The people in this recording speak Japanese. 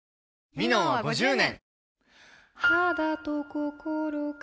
「ミノン」は５０年！